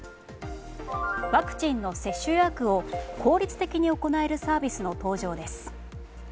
ワクチンの接種予約を、効率的に行えるサービスの登場です。